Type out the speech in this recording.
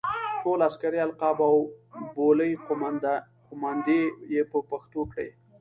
ټول عسکري القاب او بولۍ قوماندې یې په پښتو کړې.